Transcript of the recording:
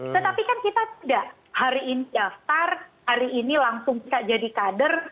tetapi kan kita tidak hari ini daftar hari ini langsung bisa jadi kader